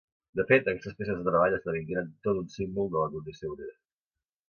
De fet, aquestes peces de treball esdevingueren tot un símbol de la condició obrera.